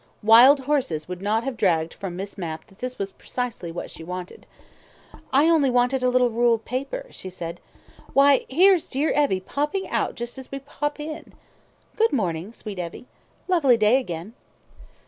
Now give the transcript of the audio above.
Wild horses would not have dragged from Miss Mapp that this was precisely what she wanted. "I only wanted a little ruled paper," she said. "Why, here's dear Evie popping out just as we pop in! Good morning, sweet Evie. Lovely day again."